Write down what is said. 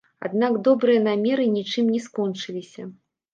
Аднак добрыя намеры нічым не скончыліся.